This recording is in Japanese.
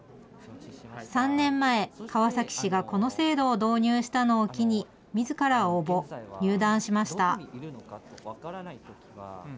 ３年前、川崎市がこの制度を導入したのを機に、みずから応募、入団しました。